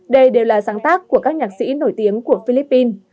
đây đều là sáng tác của các nhạc sĩ nổi tiếng của philippines